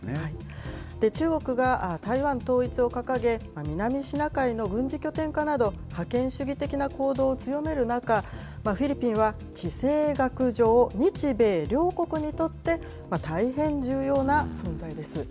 中国が台湾統一を掲げ、南シナ海の軍事拠点化など、覇権主義的な行動を強める中、フィリピンは地政学上、日米両国にとって、大変重要な存在です。